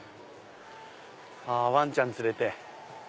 わんちゃん連れて。